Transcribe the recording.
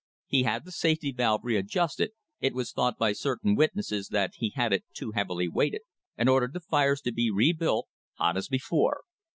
He had the safety valve readjusted it was thought by certain witnesses that he had it too heavily weighted and ordered the fires to be rebuilt, hot as before.